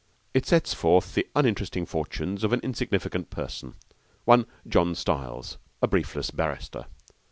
It sets forth the uninteresting fortunes of an insignificant person, one John Stiles, a briefless barrister.